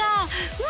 うわ！